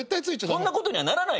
そんなことにはならない。